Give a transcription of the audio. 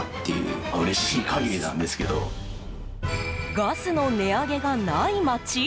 ガスの値上げがない街？